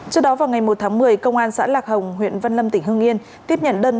trước đó vào ngày một tháng một mươi công an xã lạc hồng huyện văn lâm tỉnh hương yên tiếp nhận đơn